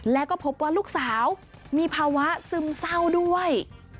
แล้วก็พบว่าลูกสาวมีภาวะซึมเศร้าด้วย